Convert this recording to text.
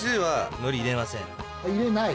入れない。